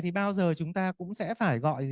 thì bao giờ chúng ta cũng sẽ phải gọi